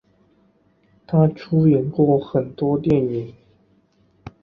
她出演过很多电影。